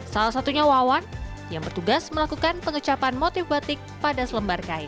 salah satunya wawan yang bertugas melakukan pengecapan motif batik pada selembar kain